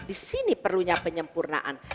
disini perlunya penyempurnaan